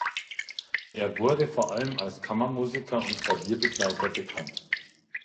Er wurde vor allem als Kammermusiker und Klavierbegleiter bekannt.